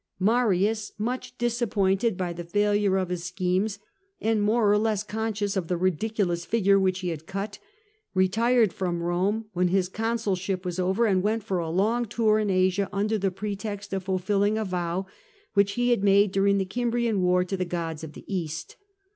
Marius, much disappointed by the failure of his schemes, and more or less conscious of the ridiculous figure which he had cut, retired from Eome when his consulship was over, and went for a long tour in Asia, under the pretest of fulfilling a vow which he had made during the Cimbrian war to the gods of the East.